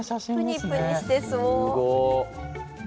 プニプニしてそう。